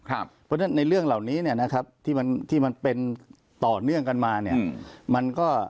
เพราะฉะนั้นในเรื่องเหล่านี้เนี่ยนะครับที่มันเป็นต่อเนื่องกันมาเนี่ย